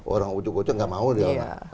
orang ucuk ucuk gak mau dia